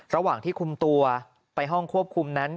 ระหว่างที่คุมตัวไปห้องควบคุมนั้น